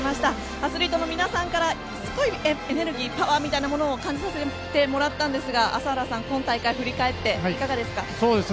アスリートの皆さんからすごいエネルギー、パワーを感じさせてもらったんですが朝原さん、今大会を振り返っていかがですか？